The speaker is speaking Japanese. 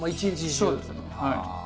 そうですねはい。